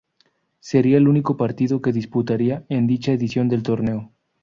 Sería el único partido que disputaría en dicha edición del torneo.